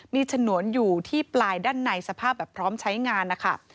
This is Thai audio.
มีฉนวนอยู่ที่ปลายด้านในสภาพแบบพร้อมใช้งานนะคะ